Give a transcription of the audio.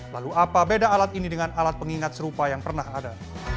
lalu apa beda alat ini dengan alat pengingat serupa yang pernah ada